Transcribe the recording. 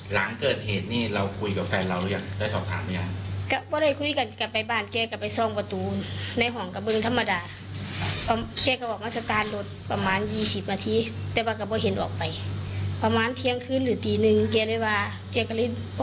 หลังเกิดเหตุนี่เราคุยกับแฟนเราหรือยังได้สอบถามหรือยัง